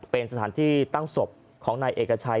เป็นสถานที่ตั้งศพของนายเอกชัย